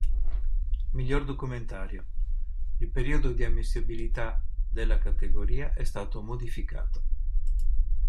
Miglior documentario: Il periodo di ammissibilità della categoria è stato modificato.